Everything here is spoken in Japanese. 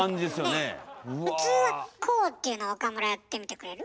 普通はこうっていうの岡村やってみてくれる？